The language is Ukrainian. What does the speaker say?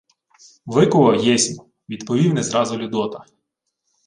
— Викував єсмь... — відповів не зразу Людота.